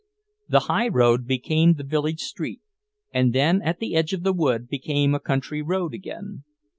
The highroad became the village street, and then, at the edge of the wood, became a country road again.